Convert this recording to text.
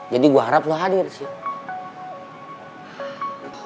jadi gue harap lo hadir sila